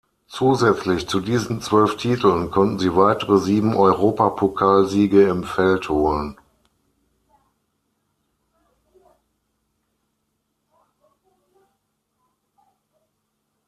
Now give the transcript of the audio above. Zusätzlich zu diesen zwölf Titeln konnten sie weitere sieben Europapokal-Siege im Feld holen.